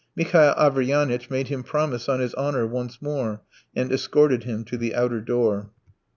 Mihail Averyanitch made him promise on his honour once more, and escorted him to the outer door.